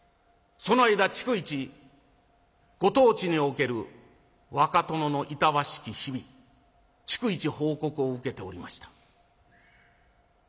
その間逐一ご当地における若殿のいたわしき日々逐一報告を受けておりました」。